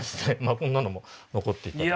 こんなのも残っていたと。